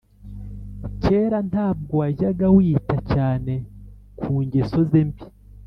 kera ntabwo wajyaga wita cyane ku ngeso ze mbi